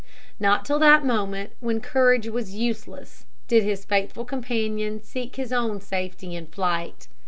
Not till that moment, when courage was useless, did his faithful companion seek his own safety in flight.